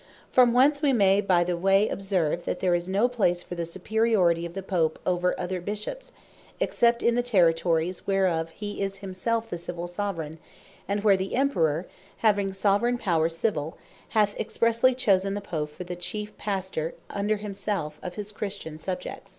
From whence wee may by the way observe, that there is no place for the superiority of the Pope over other Bishops, except in the territories whereof he is himself the Civill Soveraign; and where the Emperour having Soveraign Power Civill, hath expressely chosen the Pope for the chief Pastor under himselfe, of his Christian Subjects.